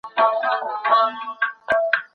کتابونه باید په پوره دقت او مینه ولوستل سي.